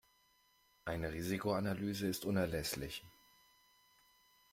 Eine Risikoanalyse ist unerlässlich.